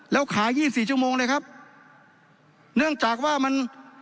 แล้วขายยี่สิบสี่ชั่วโมงเลยครับเนื่องจากว่ามัน